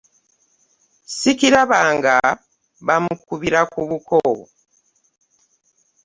Ssikirlabnga baamukubira ku Buko .